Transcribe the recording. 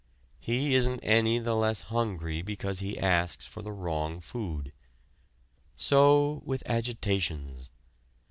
He isn't any the less hungry because he asks for the wrong food. So with agitations.